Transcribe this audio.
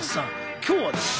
今日はですね